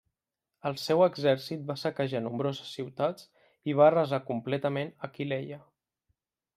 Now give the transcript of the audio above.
El seu exèrcit va saquejar nombroses ciutats i va arrasar completament Aquileia.